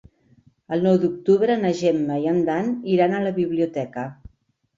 El nou d'octubre na Gemma i en Dan iran a la biblioteca.